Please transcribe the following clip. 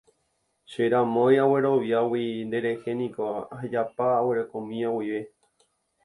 Che ramói, agueroviágui nderehe niko ahejapa aguerekomíva guive.